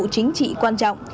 chính trị quan trọng